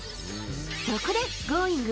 そこでＧｏｉｎｇ！